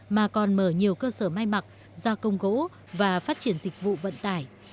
mà còn mở nhiều cơ sở mai mặt gia công gỗ và phát triển dịch vụ vận tải